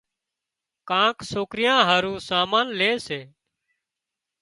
ڪانڪ سوڪريان هارو سامان لي سي